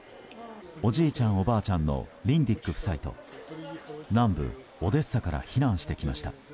おじいちゃん、おばあちゃんのリンディック夫妻と南部オデッサから避難してきました。